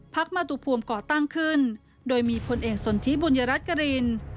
พรรคมาตุภวมก่อตั้งขึ้นโดยมีผลเอกสนธิบุญรัชกรีน